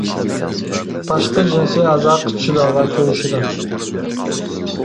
تاشقى جىنسىي ئەزا قىچىشىدۇ ۋە كۆيۈشىدۇ.